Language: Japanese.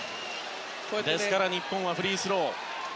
ですから日本はフリースロー。